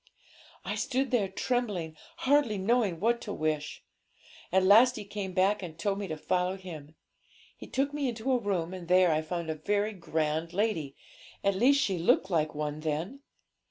'I stood there trembling, hardly knowing what to wish. At last he came back, and told me to follow him. He took me into a room, and there I found a very grand lady at least she looked like one then.